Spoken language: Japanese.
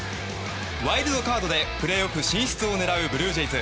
ワイルドカードでプレーオフ進出を狙うブルージェイズ。